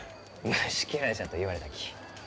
虫けらじゃと言われたき。